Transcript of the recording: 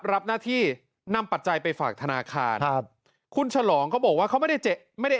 รับหน้าที่นำปัจจัยไปฝากธนาคารครับคุณฉลองเขาบอกว่าเขาไม่ได้เจ็บไม่ได้